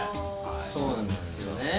そうなんですよ。